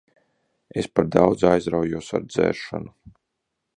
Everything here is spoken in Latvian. Es par daudz aizraujos ar dzeršanu.